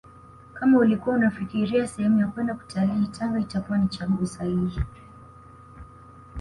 Kama ulikuwa unafikiria sehemu ya kwenda kutalii Tanga itakuwa ni chaguo sahihi